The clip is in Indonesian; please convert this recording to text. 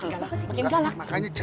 gak apa sih makanya jalan